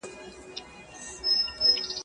د همسايه والي چي غلا کې، چيري بې په غوږ کې؟